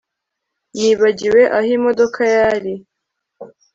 Nibagiwe aho imodoka yari